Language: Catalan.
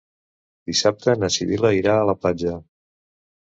Dissabte na Sibil·la irà a la platja.